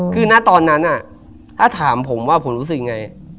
คือณตอนนั้นถ้าถามผมว่าผมรู้สึกยังไง